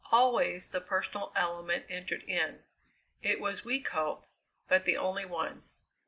Always the personal element entered in it was weak hope, but the only one.